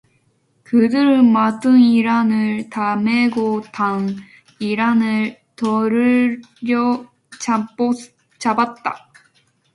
그들은 맡은 이랑을 다 매고 딴 이랑을 돌려 잡았다.